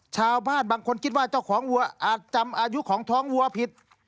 ชาวบ้านบางคนคิดว่าเจ้าของวัวอาจจำอายุของท้องวัวผิด